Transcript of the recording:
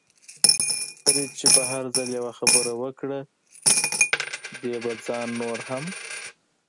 فرید چې به هر ځل یوه خبره وکړه، دې به ځان نور هم.